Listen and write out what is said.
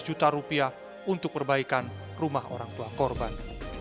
dua puluh juta rupiah untuk perbaikan rumah orang tua korban